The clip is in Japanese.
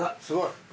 すごい。